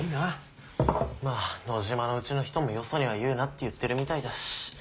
まあ野嶋のうちの人もよそには言うなって言ってるみたいだし。